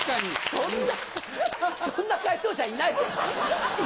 そんなそんな回答者いないです！